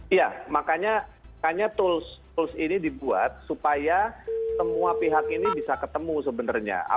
iya makanya tools tools ini dibuat supaya semua pihak ini bisa ketemu sebenarnya